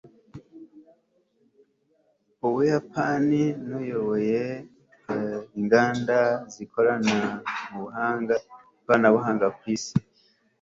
ubuyapani nuyoboye inganda zikorana buhanga ku isi